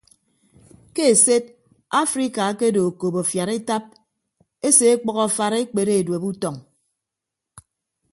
Ke esed afrika akedo okop afiad etap ese ọkpʌk afara ekpere edueb utọñ.